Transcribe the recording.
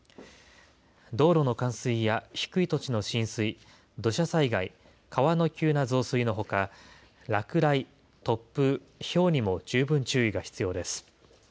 道路の冠水や低い土地の浸水、土砂災害、川の急な増水のほか、落雷、突風、ひょうにも十分注意が必要です。